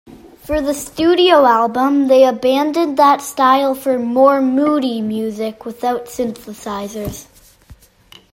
For the studio album, they abandoned that style for "more moody" music, without synthesizers.